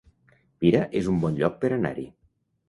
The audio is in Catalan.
Pira es un bon lloc per anar-hi